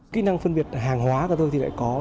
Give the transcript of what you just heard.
kỹ năng phân biệt hàng hóa của tôi thì lại có